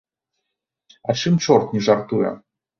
А чым чорт не жартуе!